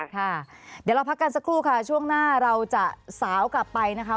ค่ะเดี๋ยวเราพักกันสักครู่ค่ะช่วงหน้าเราจะสาวกลับไปนะคะ